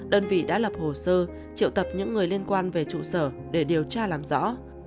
đơn vị đã lập hồ sơ triệu tập những người liên quan về trụ sở để điều tra làm rõ